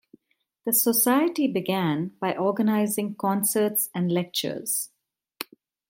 The Society began by organising concerts and lectures.